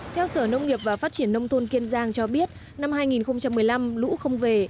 theo sở nông nghiệp và phát triển nông thôn kiên giang cho biết năm hai nghìn một mươi năm lũ không về